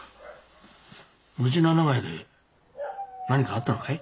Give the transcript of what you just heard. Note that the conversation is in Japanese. むじな長屋で何かあったのかい？